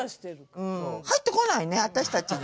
入ってこないね私たちに。